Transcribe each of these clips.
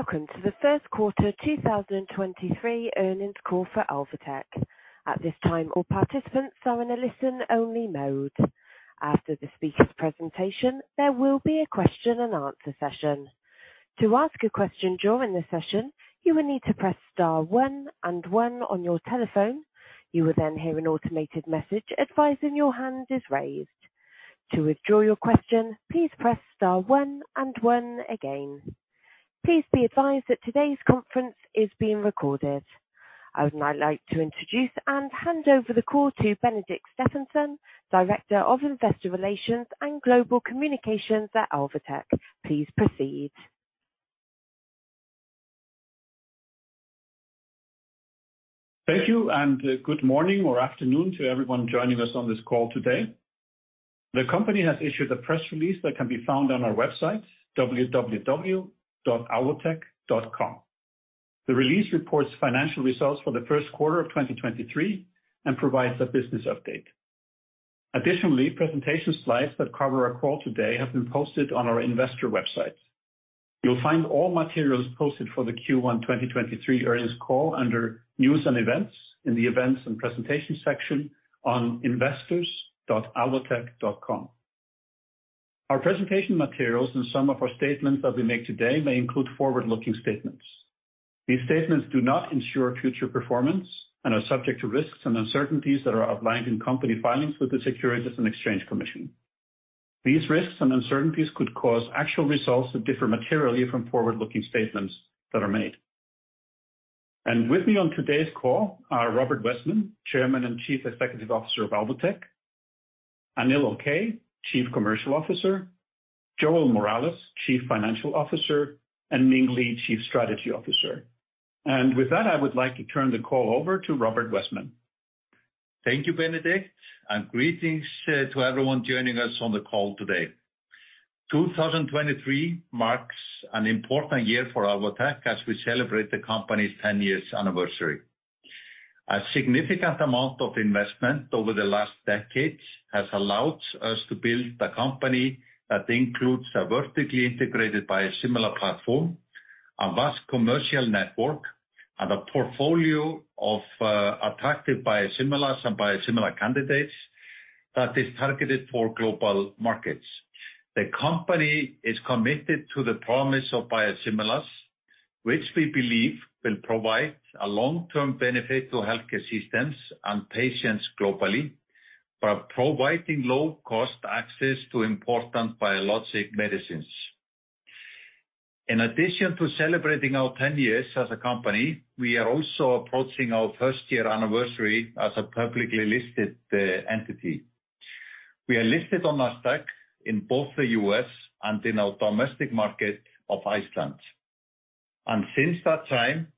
Welcome to the first quarter 2023 earnings call for Alvotech. At this time, all participants are in a listen-only mode. After the speaker's presentation, there will be a question and answer session. To ask a question during the session, you will need to press star one and one on your telephone. You will hear an automated message advising your hand is raised. To withdraw your question, please press star one and one again. Please be advised that today's conference is being recorded. I would now like to introduce and hand over the call to Benedikt Stefansson, Director of Investor Relations and Global Communications at Alvotech. Please proceed. Thank you, good morning or afternoon to everyone joining us on this call today. The company has issued a press release that can be found on our website, www.Alvotech.com. The release reports financial results for the first quarter of 2023 and provides a business update. Additionally, presentation slides that cover our call today have been posted on our investor website. You'll find all materials posted for the Q1 2023 earnings call under News and Events in the Events and Presentation section on investors.Alvotech.com. Our presentation materials and some of our statements that we make today may include forward-looking statements. These statements do not ensure future performance and are subject to risks and uncertainties that are outlined in company filings with the Securities and Exchange Commission. These risks and uncertainties could cause actual results to differ materially from forward-looking statements that are made. With me on today's call are Róbert Wessman, Chairman and Chief Executive Officer of Alvotech, Anil Okay, Chief Commercial Officer, Joel Morales, Chief Financial Officer, and Ming Li, Chief Strategy Officer. With that, I would like to turn the call over to Róbert Wessman. Thank you, Benedikt. Greetings to everyone joining us on the call today. 2023 marks an important year for Alvotech as we celebrate the company's 10 years anniversary. A significant amount of investment over the last decade has allowed us to build a company that includes a vertically integrated biosimilar platform, a vast commercial network, and a portfolio of attractive biosimilars and biosimilar candidates that is targeted for global markets. The company is committed to the promise of biosimilars, which we believe will provide a long-term benefit to healthcare systems and patients globally by providing low cost access to important biologic medicines. In addition to celebrating our 10 years as a company, we are also approaching our first-year anniversary as a publicly listed entity. We are listed on NASDAQ in both the U.S. and in our domestic market of Iceland. Since that time,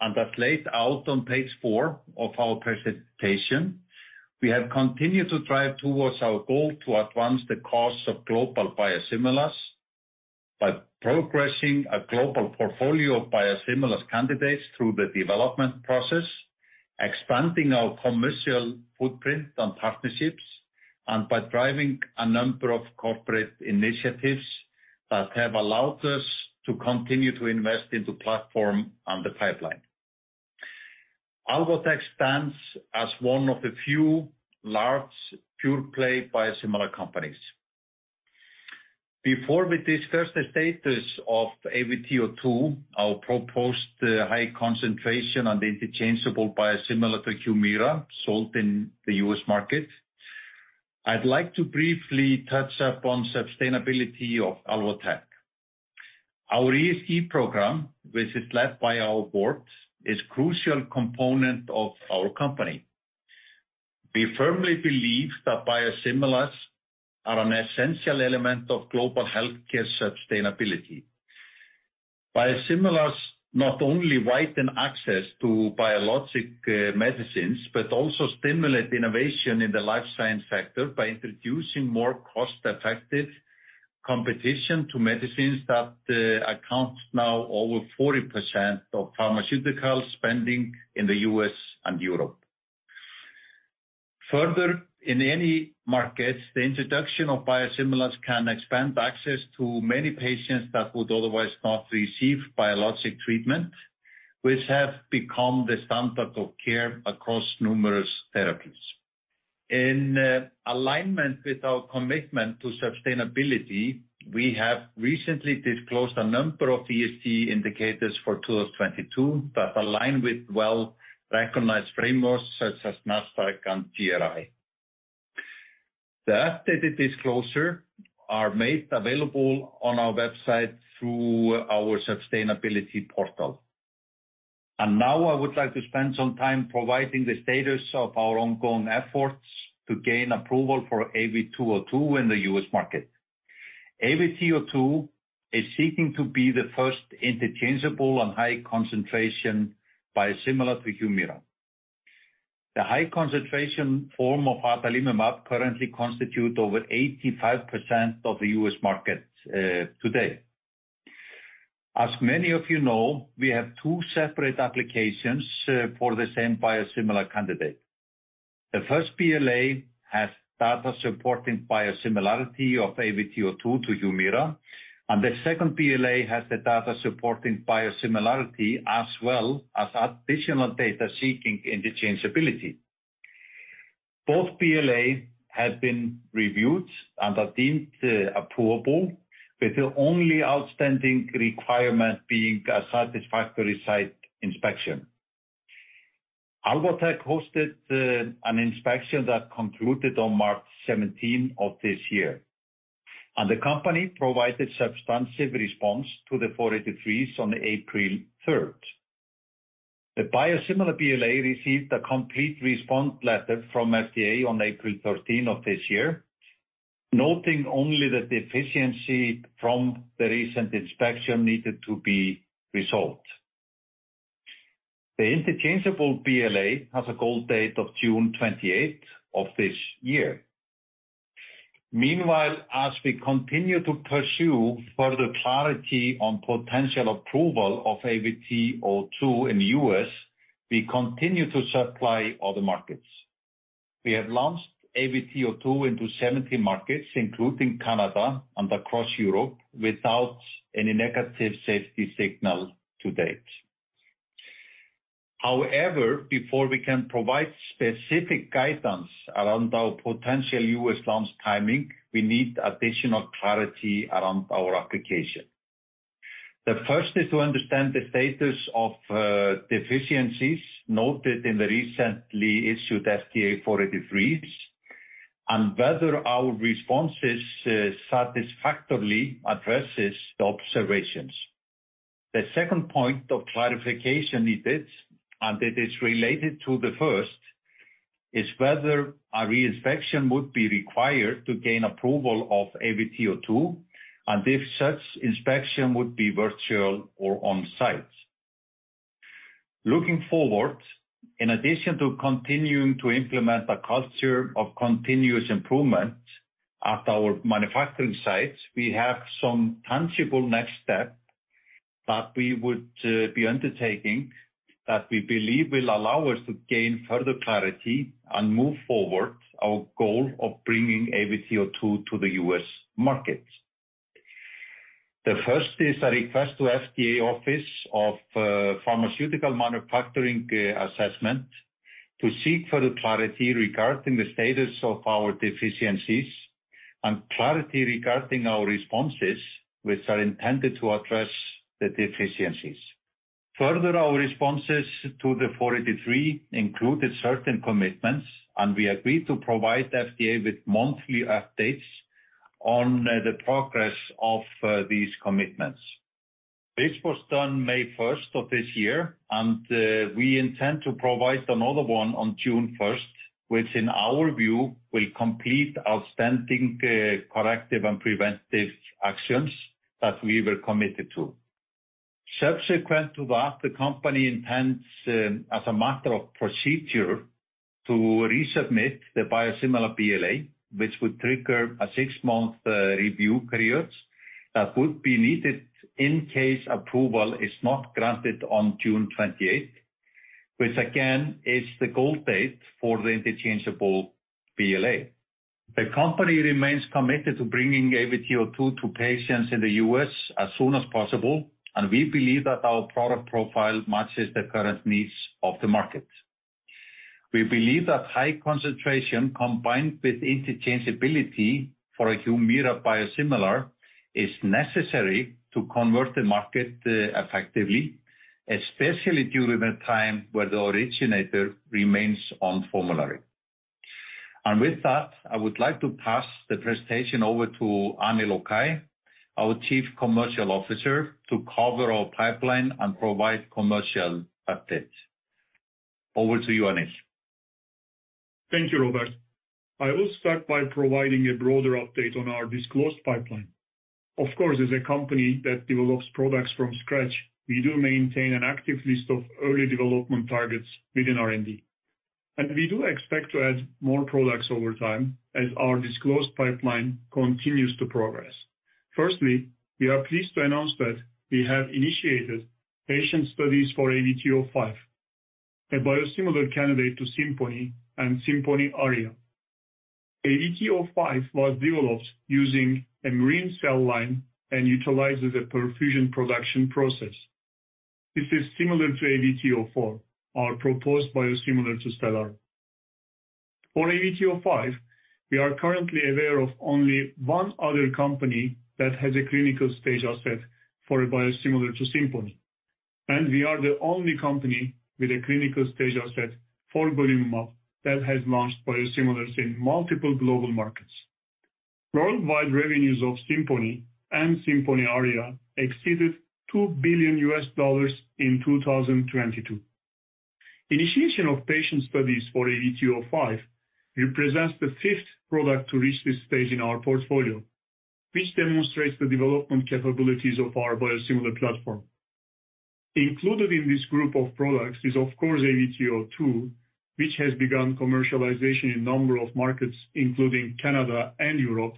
and as laid out on page four of our presentation, we have continued to drive towards our goal to advance the cause of global biosimilars by progressing a global portfolio of biosimilars candidates through the development process, expanding our commercial footprint and partnerships, and by driving a number of corporate initiatives that have allowed us to continue to invest into platform and the pipeline. Alvotech stands as one of the few large pure-play biosimilar companies. Before we discuss the status of AVT02, our proposed high concentration and interchangeable biosimilar to Humira sold in the U.S. market, I'd like to briefly touch upon sustainability of Alvotech. Our ESG program, which is led by our board, is crucial component of our company. We firmly believe that biosimilars are an essential element of global healthcare sustainability. Biosimilars not only widen access to biologic medicines, but also stimulate innovation in the life science sector by introducing more cost-effective competition to medicines that accounts now over 40% of pharmaceutical spending in the U.S. and Europe. Further, in any markets, the introduction of biosimilars can expand access to many patients that would otherwise not receive biologic treatment, which have become the standard of care across numerous therapies. In alignment with our commitment to sustainability, we have recently disclosed a number of ESG indicators for 2022 that align with well-recognized frameworks such as NASDAQ and GRI. The updated disclosure are made available on our website through our sustainability portal. Now I would like to spend some time providing the status of our ongoing efforts to gain approval for AVT02 in the U.S. market. AVT02 is seeking to be the first interchangeable and high concentration biosimilar to Humira. The high concentration form of adalimumab currently constitute over 85% of the U.S. market today. As many of you know, we have two separate applications for the same biosimilar candidate. The first BLA has data supporting biosimilarity ofAVT02 to Humira. The second BLA has the data supporting biosimilarity as well as additional data seeking interchangeability. Both BLAs have been reviewed and are deemed approvable, with the only outstanding requirement being a satisfactory site inspection. Alvotech hosted an inspection that concluded on March 17 of this year. The company provided substantive response to the 483s on April 3. The biosimilar BLA received a complete response letter from FDA on April 13 of this year, noting only that the efficiency from the recent inspection needed to be resolved. The interchangeable BLA has a goal date of June 28th of this year. Meanwhile, as we continue to pursue further clarity on potential approval ofAVT02 in the U.S., we continue to supply other markets. We have launched AVT02 into 70 markets, including Canada and across Europe, without any negative safety signal to date. However, before we can provide specific guidance around our potential U.S. launch timing, we need additional clarity around our application. The first is to understand the status of deficiencies noted in the recently issued FDA 483s, and whether our responses satisfactorily addresses the observations. The second point of clarification needed, and it is related to the first, is whether a re-inspection would be required to gain approval of AVT02, and if such inspection would be virtual or on-site. Looking forward, in addition to continuing to implement a culture of continuous improvement at our manufacturing sites, we have some tangible next step that we would be undertaking that we believe will allow us to gain further clarity and move forward our goal of bringing AVT02 to the U.S. market. The first is a request to FDA Office of Pharmaceutical Manufacturing Assessment to seek further clarity regarding the status of our deficiencies and clarity regarding our responses which are intended to address the deficiencies. Further, our responses to the 483s included certain commitments, and we agreed to provide FDA with monthly updates on the progress of these commitments. This was done May first of this year, and we intend to provide another one on June first, which in our view will complete outstanding corrective and preventive actions that we were committed to. Subsequent to that, the company intends, as a matter of procedure, to resubmit the biosimilar BLA, which would trigger a six-month review period that would be needed in case approval is not granted on June 28th, which again, is the goal date for the interchangeable BLA. The company remains committed to bringing AVT02 to patients in the U.S. as soon as possible, and we believe that our product profile matches the current needs of the market. We believe that high concentration combined with interchangeability for a Humira biosimilar is necessary to convert the market effectively, especially during a time where the originator remains on formulary. I would like to pass the presentation over to Anil Okay, our Chief Commercial Officer, to cover our pipeline and provide commercial updates. Over to you, Anil. Thank you, Róbert. I will start by providing a broader update on our disclosed pipeline. Of course, as a company that develops products from scratch, we do maintain an active list of early development targets within R&D. We do expect to add more products over time as our disclosed pipeline continues to progress. Firstly, we are pleased to announce that we have initiated patient studies for AVT05, a biosimilar candidate to Simponi and Simponi Aria. AVT05 was developed using a murine cell line and utilizes a perfusion production process. This is similar to AVT04, our proposed biosimilar to Stelara. For AVT05, we are currently aware of only one other company that has a clinical-stage asset for a biosimilar to Simponi, and we are the only company with a clinical-stage asset for golimumab that has launched biosimilars in multiple global markets. Worldwide revenues of Simponi and Simponi Aria exceeded $2 billion in 2022. Initiation of patient studies for AVT05 represents the fifth product to reach this stage in our portfolio, which demonstrates the development capabilities of our biosimilar platform. Included in this group of products is of course AVT02, which has begun commercialization in a number of markets, including Canada and Europe.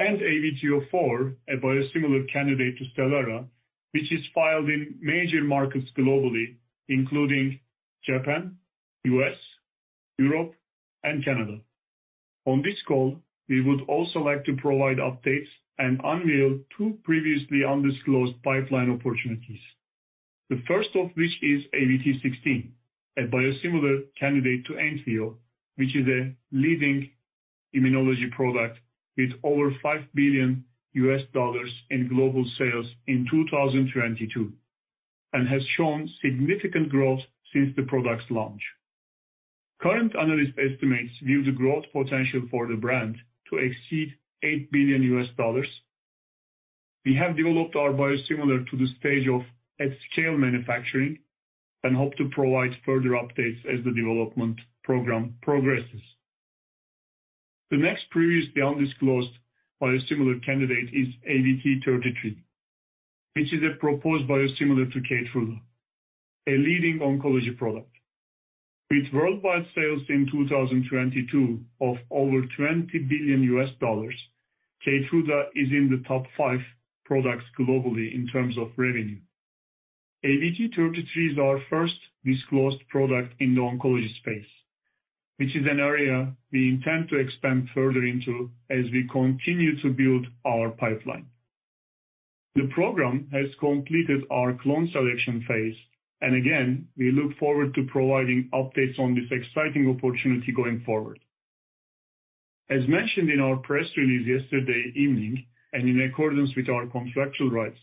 AVT04, a biosimilar candidate to Stelara, which is filed in major markets globally, including Japan, U.S., Europe and Canada. On this call, we would also like to provide updates and unveil two previously undisclosed pipeline opportunities. The first of which is AVT16, a biosimilar candidate to Entyvio, which is a leading immunology product with over $5 billion in global sales in 2022, and has shown significant growth since the product's launch. Current analyst estimates view the growth potential for the brand to exceed $8 billion. We have developed our biosimilar to the stage of at-scale manufacturing and hope to provide further updates as the development program progresses. The next previously undisclosed biosimilar candidate is AVT33, which is a proposed biosimilar to Keytruda, a leading oncology product. With worldwide sales in 2022 of over $20 billion, Keytruda is in the top five products globally in terms of revenue. AVT33 is our first disclosed product in the oncology space, which is an area we intend to expand further into as we continue to build our pipeline. The program has completed our clone selection phase, and again, we look forward to providing updates on this exciting opportunity going forward. As mentioned in our press release yesterday evening, and in accordance with our contractual rights,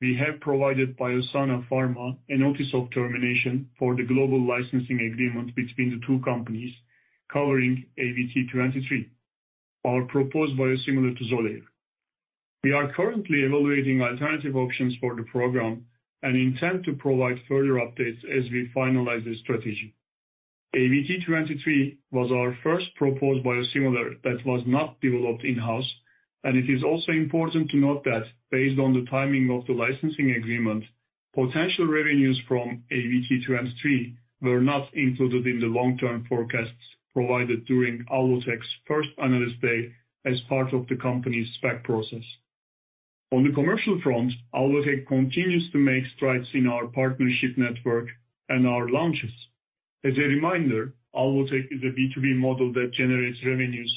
we have provided Biosana Pharma a notice of termination for the global licensing agreement between the two companies covering AVT23, our proposed biosimilar to Xolair. We are currently evaluating alternative options for the program and intend to provide further updates as we finalize this strategy. AVT23 was our first proposed biosimilar that was not developed in-house, and it is also important to note that based on the timing of the licensing agreement, potential revenues from AVT23 were not included in the long-term forecasts provided during Alvotech's first Analyst Day as part of the company's SPAC process. On the commercial front, Alvotech continues to make strides in our partnership network and our launches. As a reminder, Alvotech is a B2B model that generates revenues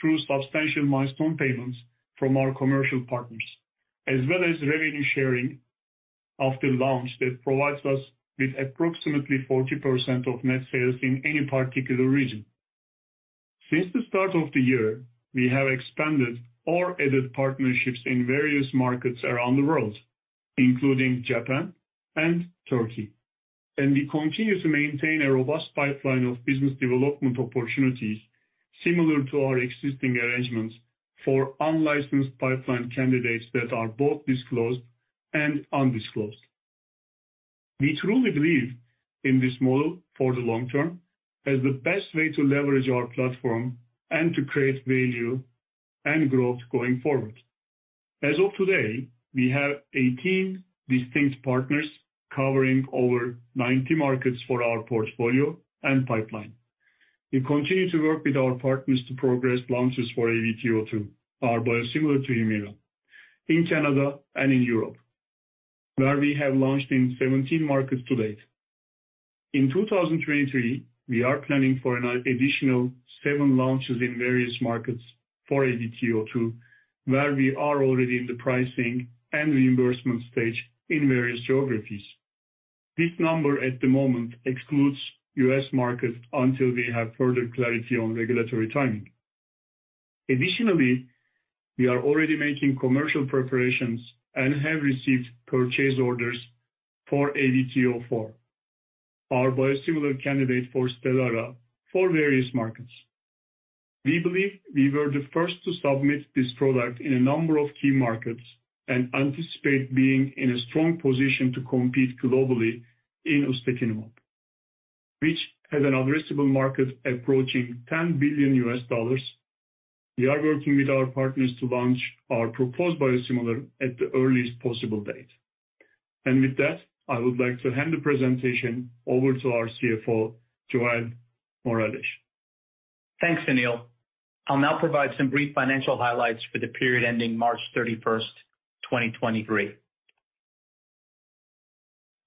through substantial milestone payments from our commercial partners, as well as revenue sharing after launch that provides us with approximately 40% of net sales in any particular region. Since the start of the year, we have expanded or added partnerships in various markets around the world, including Japan and Turkey, and we continue to maintain a robust pipeline of business development opportunities similar to our existing arrangements for unlicensed pipeline candidates that are both disclosed and undisclosed. We truly believe in this model for the long term as the best way to leverage our platform and to create value and growth going forward. As of today, we have 18 distinct partners covering over 90 markets for our portfolio and pipeline. We continue to work with our partners to progress launches for AVT02, our biosimilar to Humira, in Canada and in Europe, where we have launched in 17 markets to date. In 2023, we are planning for an additional 7 launches in various markets for AVT02, where we are already in the pricing and reimbursement stage in various geographies. This number at the moment excludes U.S. market until we have further clarity on regulatory timing. Additionally, we are already making commercial preparations and have received purchase orders for AVT04, our biosimilar candidate for Stelara for various markets. We believe we were the first to submit this product in a number of key markets and anticipate being in a strong position to compete globally in ustekinumab, which has an addressable market approaching $10 billion. We are working with our partners to launch our proposed biosimilar at the earliest possible date. With that, I would like to hand the presentation over to our CFO, Joel Morales. Thanks, Anil. I'll now provide some brief financial highlights for the period ending March 31, 2023.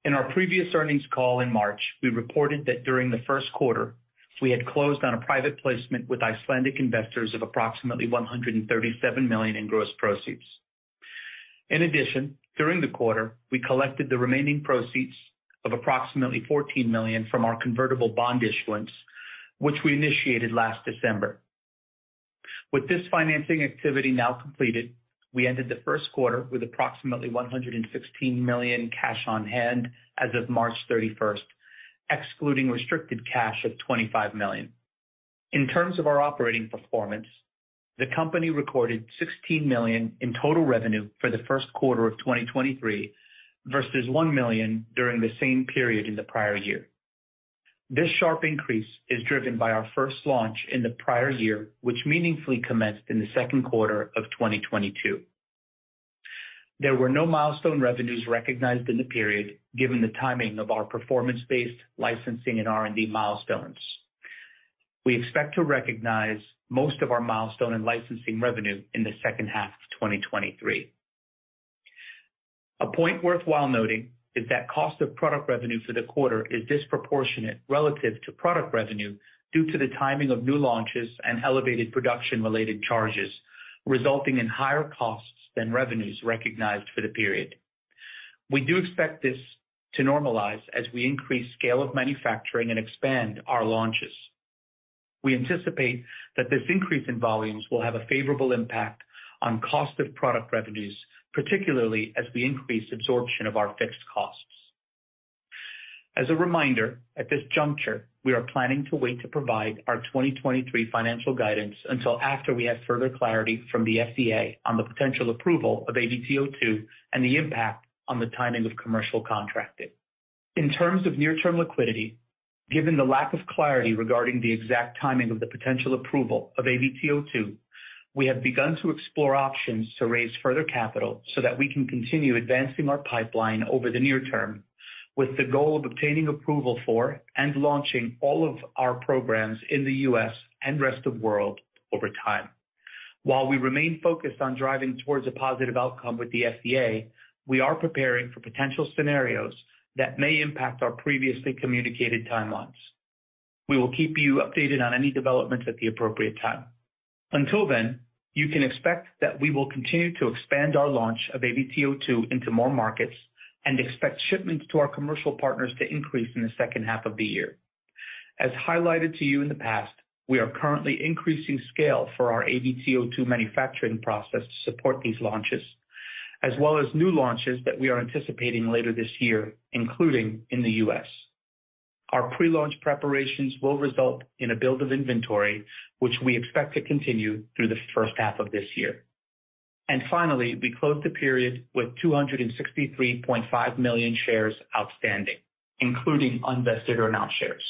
In our previous earnings call in March, we reported that during the first quarter, we had closed on a private placement with Icelandic investors of approximately $137 million in gross proceeds. In addition, during the quarter, we collected the remaining proceeds of approximately $14 million from our convertible bond issuance, which we initiated last December. With this financing activity now completed, we ended the first quarter with approximately $116 million cash on hand as of March 31, excluding restricted cash of $25 million. In terms of our operating performance, the company recorded $16 million in total revenue for the first quarter of 2023 versus $1 million during the same period in the prior year. This sharp increase is driven by our first launch in the prior year, which meaningfully commenced in the second quarter of 2022. There were no milestone revenues recognized in the period given the timing of our performance-based licensing and R&D milestones. We expect to recognize most of our milestone and licensing revenue in the second half of 2023. A point worthwhile noting is that cost of product revenue for the quarter is disproportionate relative to product revenue due to the timing of new launches and elevated production-related charges, resulting in higher costs than revenues recognized for the period. We do expect this to normalize as we increase scale of manufacturing and expand our launches. We anticipate that this increase in volumes will have a favorable impact on cost of product revenues, particularly as we increase absorption of our fixed costs. As a reminder, at this juncture, we are planning to wait to provide our 2023 financial guidance until after we have further clarity from the FDA on the potential approval of AVT02 and the impact on the timing of commercial contracting. In terms of near-term liquidity, given the lack of clarity regarding the exact timing of the potential approval of AVT02, we have begun to explore options to raise further capital so that we can continue advancing our pipeline over the near term with the goal of obtaining approval for and launching all of our programs in the U.S. and rest of world over time. While we remain focused on driving towards a positive outcome with the FDA, we are preparing for potential scenarios that may impact our previously communicated timelines. We will keep you updated on any developments at the appropriate time. Until then, you can expect that we will continue to expand our launch of AVT02 into more markets and expect shipments to our commercial partners to increase in the second half of the year. As highlighted to you in the past, we are currently increasing scale for our AVT02 manufacturing process to support these launches, as well as new launches that we are anticipating later this year, including in the U.S. Our pre-launch preparations will result in a build of inventory, which we expect to continue through the first half of this year. Finally, we closed the period with 263.5 million shares outstanding, including unvested earn-out shares.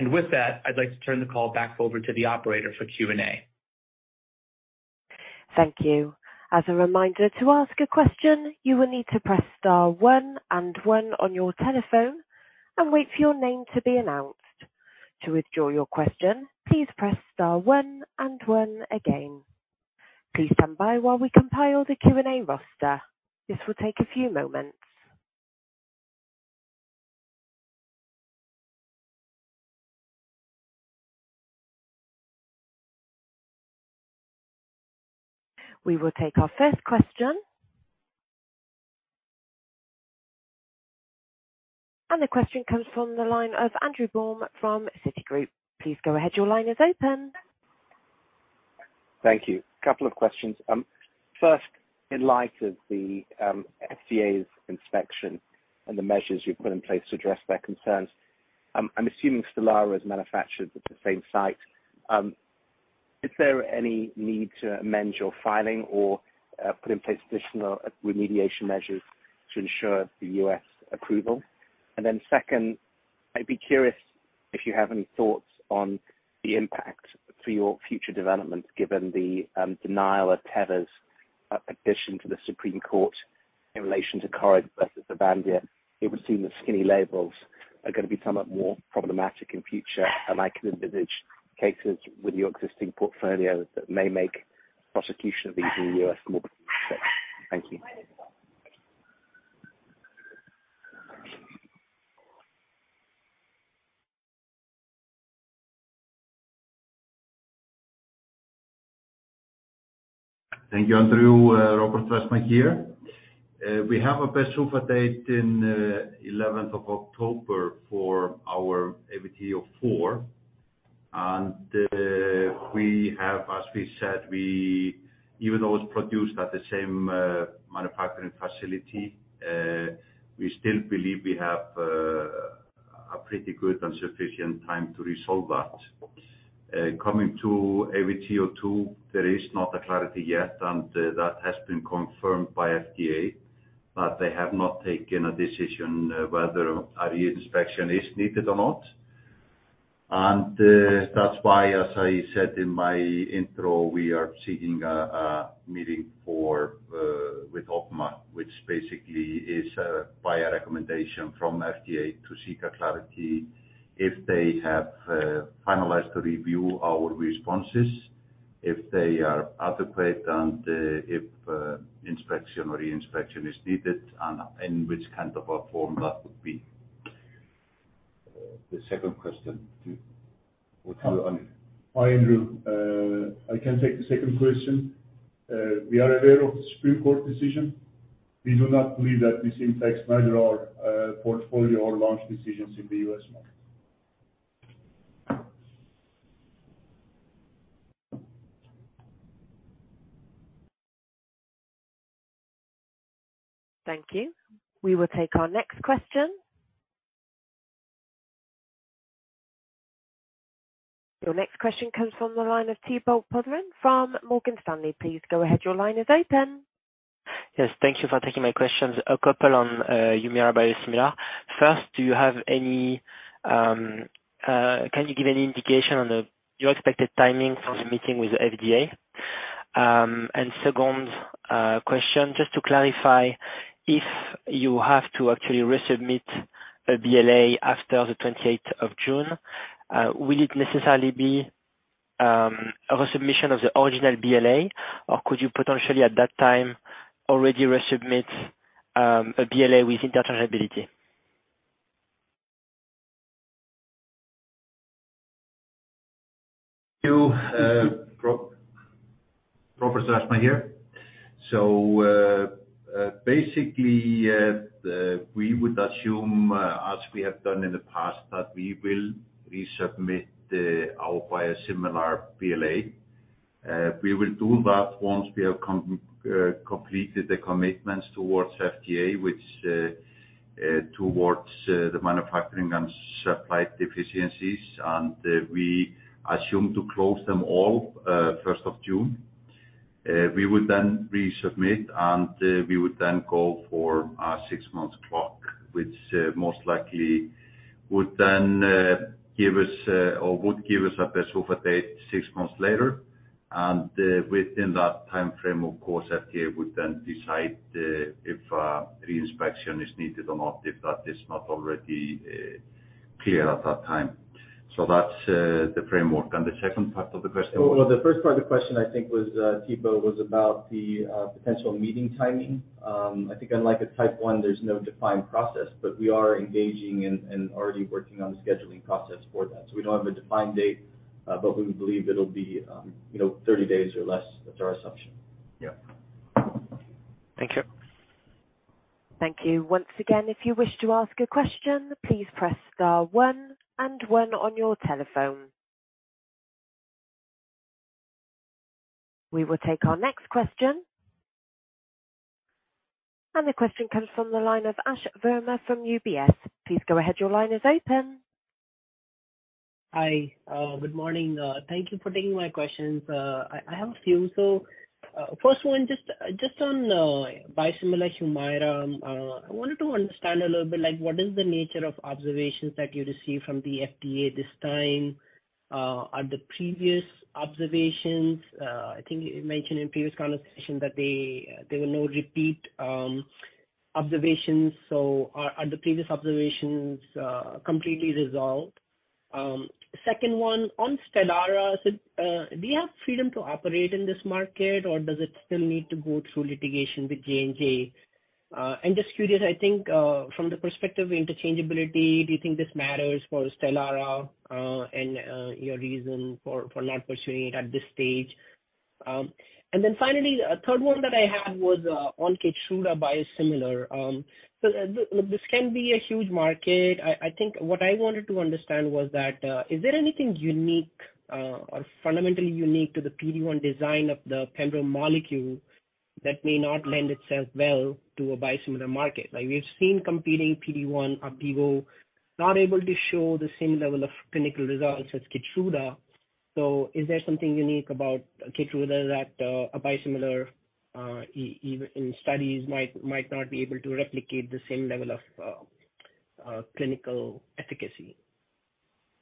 With that, I'd like to turn the call back over to the operator for Q&A. Thank you. As a reminder, to ask a question, you will need to press star one and one on your telephone and wait for your name to be announced. To withdraw your question, please press star one and one again. Please stand by while we compile the Q&A roster. This will take a few moments. We will take our first question. The question comes from the line of Andrew Baum from Citigroup. Please go ahead. Your line is open. Thank you. Couple of questions. First, in light of the FDA's inspection and the measures you've put in place to address their concerns, I'm assuming Stelara is manufactured at the same site. Is there any need to amend your filing or put in place additional remediation measures to ensure the U.S. approval? Second, I'd be curious if you have any thoughts on the impact for your future developments, given the denial of Teva's petition to the Supreme Court in relation to Coreg versus GSK. It would seem the skinny labels are gonna be somewhat more problematic in future, and I can envisage cases with your existing portfolio that may make prosecution of these in the U.S. more complex. Thank you. Thank you, Andrew. Róbert Wessman here. We have a PDUFA date in 11th of October for our AVT04. We have, as we said, even though it's produced at the same manufacturing facility, we still believe we have a pretty good and sufficient time to resolve that. Coming to AVT02, there is not a clarity yet, and that has been confirmed by FDA that they have not taken a decision whether a re-inspection is needed or not. That's why, as I said in my intro, we are seeking a meeting for with OPMA, which basically is by a recommendation from FDA to seek clarity if they have finalized to review our responses, if they are adequate and if inspection or re-inspection is needed and in which kind of a form that would be. The second question to Ali. Hi, Andrew. I can take the second question. We are aware of the Supreme Court decision. We do not believe that this impacts neither our portfolio or launch decisions in the U.S. market. Thank you. We will take our next question. Your next question comes from the line of Thibault Boutherin from Morgan Stanley. Please go ahead. Your line is open. Yes. Thank you for taking my questions. A couple on Humira biosimilar. First, do you have any can you give any indication on your expected timing for the meeting with the FDA? Second, question, just to clarify, if you have to actually resubmit a BLA after the 28 of June, will it necessarily be a resubmission of the original BLA? Or could you potentially at that time already resubmit a BLA with interchangeability? Thank you. Robert Wessman here. Basically, we would assume, as we have done in the past, that we will resubmit the aBLA a similar BLA. We will do that once we have completed the commitments towards FDA, which towards the manufacturing and supply deficiencies. We assume to close them all first of June. We would then resubmit, and we would then go for a 6 months clock. Which most likely would then give us or would give us a PDUFA date 6 months later. Within that timeframe, of course, FDA would then decide if re-inspection is needed or not, if that is not already clear at that time. That's the framework. The second part of the question? Well, the first part of the question I think was Thibault, was about the potential meeting timing. I think unlike a type one, there's no defined process, but we are engaging and already working on the scheduling process for that. We don't have a defined date, but we believe it'll be, you know, 30 days or less. That's our assumption. Yeah. Thank you. Thank you. Once again, if you wish to ask a question, please press star one and one on your telephone. We will take our next question. The question comes from the line of Ashwani Verma from UBS. Please go ahead. Your line is open. Hi. Good morning. Thank you for taking my questions. I have a few. First one, just on biosimilar Humira. I wanted to understand a little bit like what is the nature of observations that you receive from the FDA this time? Are the previous observations, I think you mentioned in previous conversations that there were no repeat observations. Are the previous observations completely resolved? Second one, on Stelara, do you have freedom to operate in this market, or does it still need to go through litigation with J&J? Just curious, I think, from the perspective of interchangeability, do you think this matters for Stelara, and your reason for not pursuing it at this stage? Finally, a third one that I had was on Keytruda biosimilar. This can be a huge market. I think what I wanted to understand was that is there anything unique or fundamentally unique to the PD-1 design of the pembro molecule that may not lend itself well to a biosimilar market? Like we've seen competing PD-1 Opdivo not able to show the same level of clinical results as Keytruda. Is there something unique about Keytruda that a biosimilar even in studies might not be able to replicate the same level of clinical efficacy?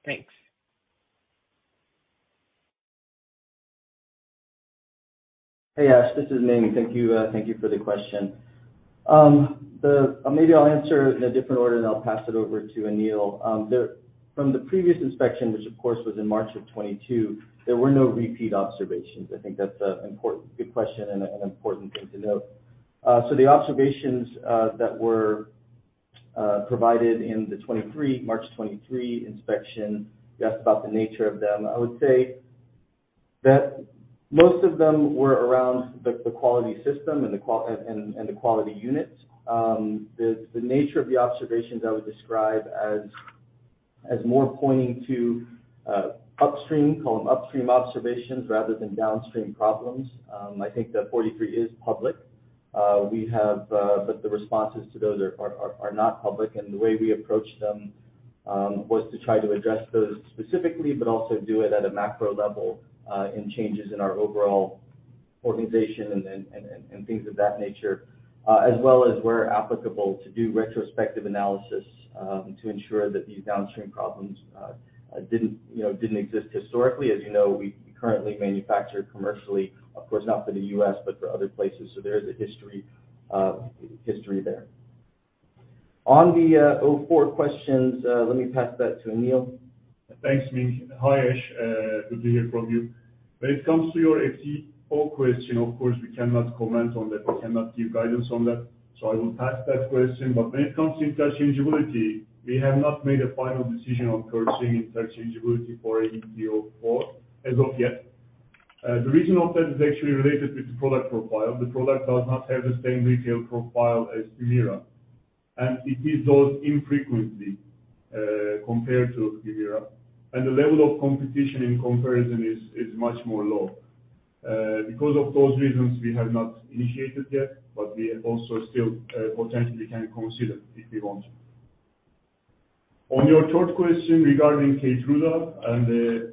Thanks. Hey, Ash, this is Ming. Thank you, thank you for the question. Maybe I'll answer in a different order, then I'll pass it over to Anil. From the previous inspection, which of course was in March of 2022, there were no repeat observations. I think that's an important, good question and an important thing to note. The observations that were provided in the 2023, March 2023 inspection, you asked about the nature of them. I would say that most of them were around the quality system and the quality units. The nature of the observations I would describe as more pointing to upstream, call them upstream observations rather than downstream problems. I think the 483s is public. We have, but the responses to those are not public. The way we approached them, was to try to address those specifically, but also do it at a macro level, in changes in our overall organization and things of that nature. As well as where applicable to do retrospective analysis, to ensure that these downstream problems, didn't, you know, exist historically. As you know, we currently manufacture commercially, of course, not for the U.S., but for other places. There is a history there. On the AVT04 questions, let me pass that to Anil. Thanks, Ming. Hi, Ash. Good to hear from you. When it comes to your AVT04 question, of course, we cannot comment on that. We cannot give guidance on that. I will pass that question. When it comes to interchangeability, we have not made a final decision on pursuing interchangeability for AVT04 as of yet. The reason of that is actually related with the product profile. The product does not have the same retail profile as Humira, and it is dosed infrequently, compared to Humira. The level of competition in comparison is much more low. Because of those reasons, we have not initiated yet, but we also still potentially can consider if we want to. On your third question regarding Keytruda and,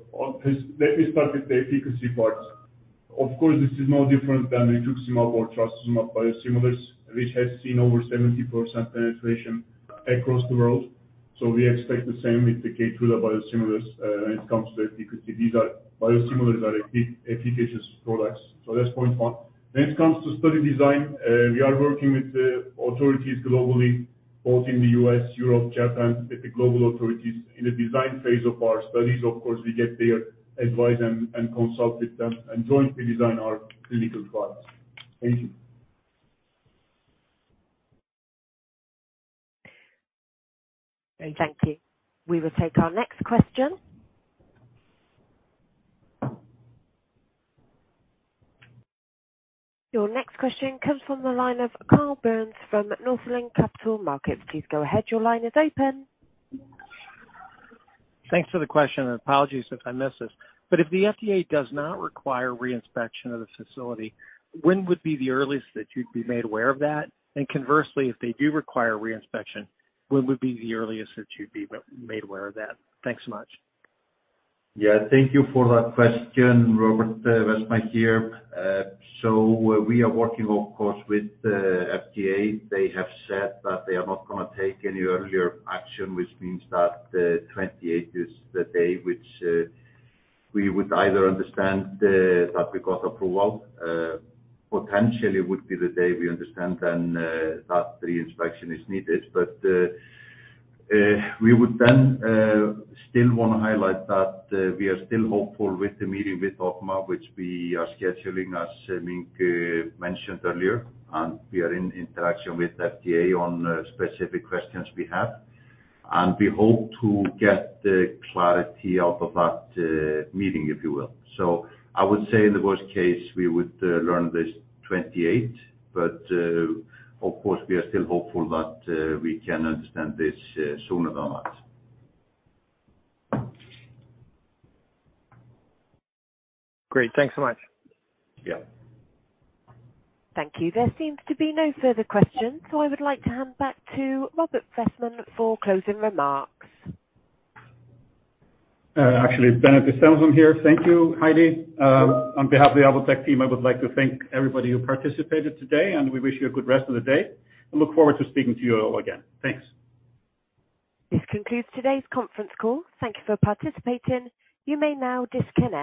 let me start with the efficacy part. Of course, this is no different than rituximab or trastuzumab biosimilars, which has seen over 70% penetration across the world. We expect the same with the Keytruda biosimilars when it comes to efficacy. These biosimilars are efficacious products. That's point one. When it comes to study design, we are working with the authorities globally, both in the U.S., Europe, Japan, with the global authorities. In the design phase of our studies, of course, we get their advice and consult with them and jointly design our clinical trials. Thank you. Thank you. We will take our next question. Your next question comes from the line of Carl Byrnes from Northland Capital Markets. Please go ahead. Your line is open. Thanks for the question, apologies if I miss this. If the FDA does not require re-inspection of the facility, when would be the earliest that you'd be made aware of that? Conversely, if they do require re-inspection, when would be the earliest that you'd be made aware of that? Thanks so much. Yeah, thank you for that question, Róbert Wessman here. We are working, of course, with the FDA. They have said that they are not gonna take any earlier action, which means that the 28th is the day which, we would either understand that we got approval, potentially would be the day we understand then, that the inspection is needed. We would then still wanna highlight that we are still hopeful with the meeting with OPMA, which we are scheduling as Ming mentioned earlier, and we are in interaction with FDA on specific questions we have. We hope to get the clarity out of that meeting, if you will. I would say in the worst case, we would learn this 28th. Of course, we are still hopeful that we can understand this sooner than that. Great. Thanks so much. Yeah. Thank you. There seems to be no further questions. I would like to hand back to Róbert Wessman for closing remarks. Actually, it's Benedikt Stefansson here. Thank you, Heidi. On behalf of the Alvotech team, I would like to thank everybody who participated today. We wish you a good rest of the day and look forward to speaking to you all again. Thanks. This concludes today's conference call. Thank you for participating. You may now disconnect.